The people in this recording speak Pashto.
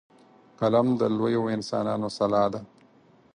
قلم د لویو انسانانو سلاح ده